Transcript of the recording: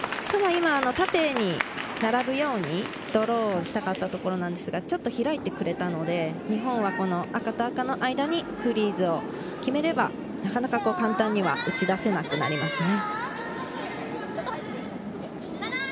ただ、いま縦に並ぶようにドローしたかったところなんですが、少し開いてくれたので日本は赤と赤の間にフリーズを決めればなかなか簡単には打ち出せなくなりますね。